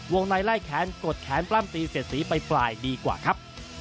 ในไล่แขนกดแขนปล้ำตีเสียดสีไปปลายดีกว่าครับ